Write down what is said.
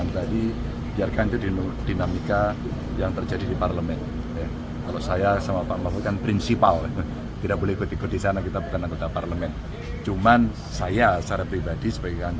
sekarang kita perlu komitmen kawan kawan